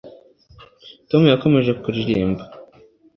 Tom yakomeje kuririmba